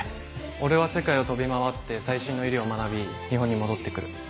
俺は世界を飛び回って最新の医療を学び日本に戻って来る。